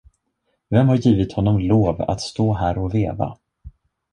Vem har givit honom lov att stå här och veva?